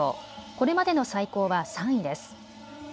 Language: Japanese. これまでの最高は３位です。